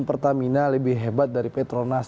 pertamina lebih hebat dari petronas